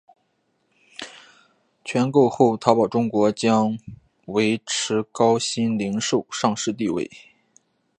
全购后淘宝中国将维持高鑫零售上市地位。